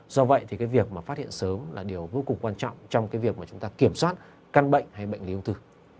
do vậy việc phát hiện sớm là điều vô cùng quan trọng trong việc chúng ta kiểm soát căn bệnh hay bệnh lý ung thư